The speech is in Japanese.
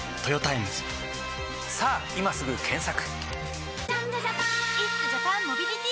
さぁ今すぐ検索！